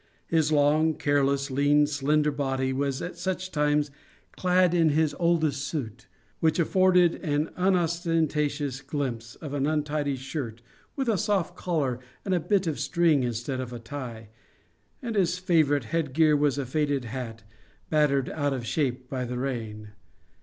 His long, careless, lean, slender body was at such times clad in his oldest suit, which afforded an unostentatious glimpse of an untidy shirt with a soft collar and a bit of string instead of a tie; and his favourite headgear was a faded hat, battered out of shape by the rain.